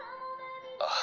ああ。